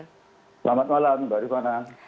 selamat malam mbak rifana